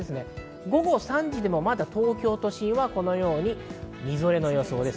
午後３時でも、まだ東京都心はこのように、みぞれの予想です。